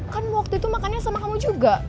kan waktu itu makannya sama kamu juga